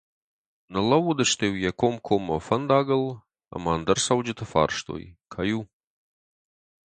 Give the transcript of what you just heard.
Ныллӕууыдысты-иу йӕ комкоммӕ фӕндагыл ӕмӕ ӕндӕр цӕуджыты фарстой: «Кӕй у?»